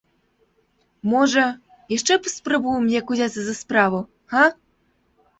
Можа, яшчэ паспрабуем як узяцца за справу, га?